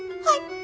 はい。